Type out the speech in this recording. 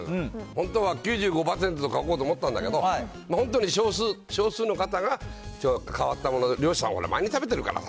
本当は９５％と書こうと思ったんだけど、本当に少数の方が変わったもの、漁師さんはほら、毎日食べてるから。